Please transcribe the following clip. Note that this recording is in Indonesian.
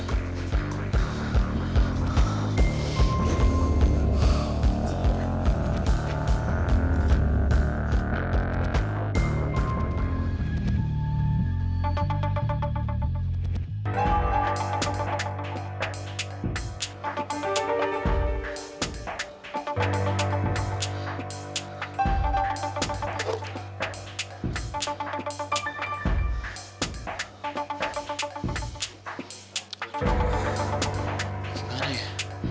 aku sudah menang